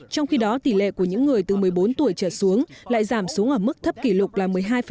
trong khi đó tỷ lệ của những người từ một mươi bốn tuổi trở xuống lại giảm xuống ở mức thấp kỷ lục là một mươi hai